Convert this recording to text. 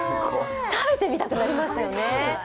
食べてみたくなりますよね。